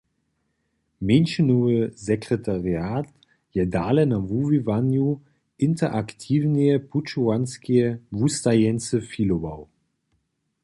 Mjeńšinowy sekretariat je dale na wuwiwanju interaktiwneje pućowanskeje wustajeńcy filował.